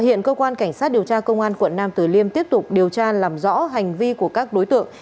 hiện cơ quan cảnh sát điều tra công an quận nam tử liêm tiếp tục điều tra làm rõ hành vi của các đối tượng